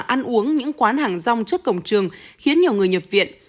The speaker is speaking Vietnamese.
ăn uống những quán hàng rong trước cổng trường khiến nhiều người nhập viện